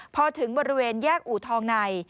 พอถึงบริเวณแยกอูทองใน